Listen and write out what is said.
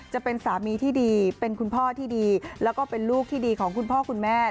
จะเป็นสามีที่ดีเป็นคุณพ่อที่ดีแล้วก็เป็นลูกที่ดีของคุณพ่อคุณแม่